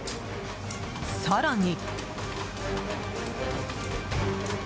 更に。